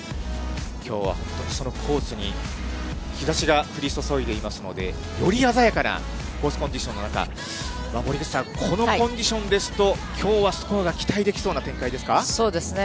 きょうは本当にそのコースに日ざしが降り注いでいますので、より鮮やかなコースコンディションの中、森口さん、このコンディションですと、きょうはスコアが期待できそうな展開そうですね。